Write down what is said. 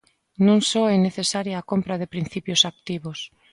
Non só é necesaria a compra de principios activos.